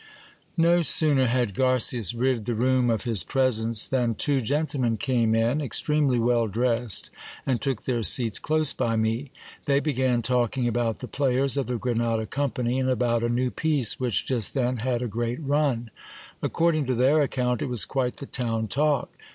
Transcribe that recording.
Xo sooner had Garcias rid the room of his presence, than two gentlemen came in, extremely well dressed, and took their seats close by me. They began talk ing about the players of the Grenada company, and about a new piece which just then had a great run. According to their account, it was quite the town talk.